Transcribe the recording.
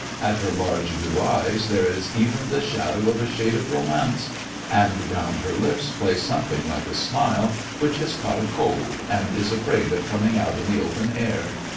_ in her large blue eyes there is even the shadow of a shade of romance; and round her lips plays something like a smile, which has caught a cold and is afraid of coming out in the open air.